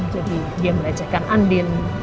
jadi dia melecehkan andin